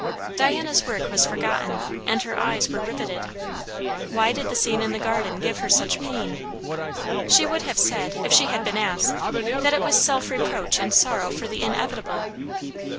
Diana's work was forgotten, and her eyes were riveted; why did the scene in the garden give her such pain? She would have said, if she had been asked, that it was self reproach and sorrow for the inevitable.